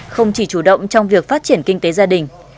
không chỉ chủ động trong việc phát triển kinh tế gia đình